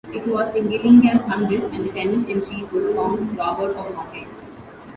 It was in Gillingham hundred and the tenant-in-chief was Count Robert of Mortain.